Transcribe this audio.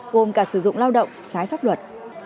gồm cả sử dụng lao động trái pháp luật